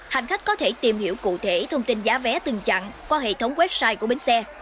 hành khách có thể tìm hiểu cụ thể thông tin giá vé từng chặn qua hệ thống website của bến xe